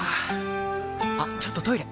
あっちょっとトイレ！